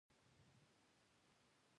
د تخار په درقد کې د قیمتي ډبرو نښې دي.